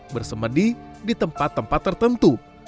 bersemedi di tempat tempat tertentu